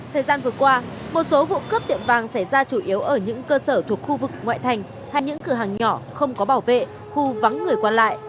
thời gian vừa qua một số vụ cướp tiệm vàng xảy ra chủ yếu ở những cơ sở thuộc khu vực ngoại thành hay những cửa hàng nhỏ không có bảo vệ khu vắng người qua lại